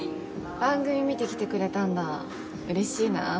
番組見て来てくれたんだうれしいな。